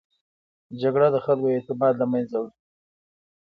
جګړه د خلکو اعتماد له منځه وړي